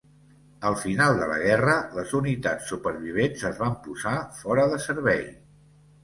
Al final de la guerra les unitats supervivents es van posar fora de servei.